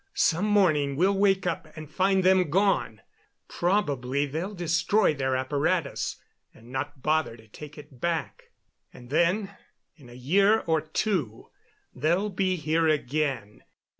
Some morning we'll wake up and find them gone. Probably they'll destroy their apparatus, and not bother to take it back. "And then, in a year or two, they'll be here again.